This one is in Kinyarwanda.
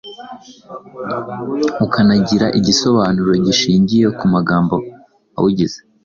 ukanagira igisobanuro gishingiye ku magambo awugize.